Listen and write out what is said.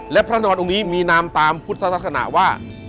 และพระนอนองค์นี้มีนามตามพุทธศาสนาว่า